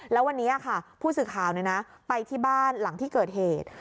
แล้ววันนี้ค่ะผู้สื่อข่าวไปที่บ้านหลังที่เกิดเหตุ